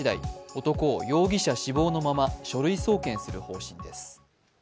男を、容疑者死亡のまま書類送検する方針です。